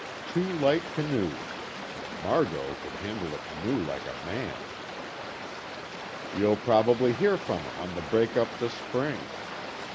Two light canoes. Margot could handle a canoe like a man." "You'll prob'ly hear from 'em on the break up this spring.